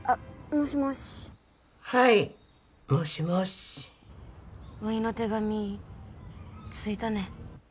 もしもしはいもしもしおいの手紙着いたね？